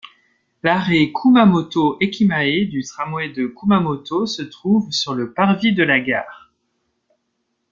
L'arrêt Kumamoto-ekimae du tramway de Kumamoto se trouve sur le parvis de la gare.